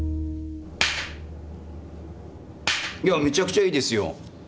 めちゃくちゃいいですよ。